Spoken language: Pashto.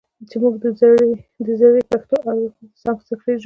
چې هغه موږ د زړې پښتو او سانسکریت ژبو